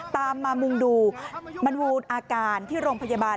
ตามมามุ่งดูมันวูดอาการที่โรงพยาบาล